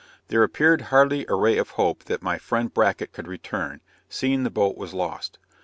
There appeared hardly a ray of hope that my friend Bracket could return, seeing the boat was lost.